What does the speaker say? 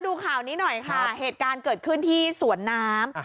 ดูข่าวนี้หน่อยค่ะเหตุการณ์เกิดขึ้นที่สวนน้ำ